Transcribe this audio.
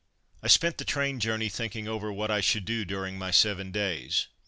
I spent the train journey thinking over what I should do during my seven days.